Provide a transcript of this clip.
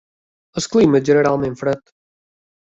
El clima és generalment fred.